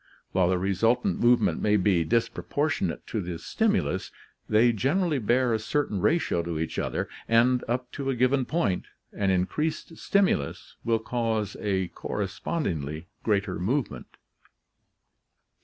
While the resultant movement may be dis proportionate to the stimulus, they generally bear a certain ratio to each other, and, up to a given point, an increased stimulus will cause a correspondingly greater movement.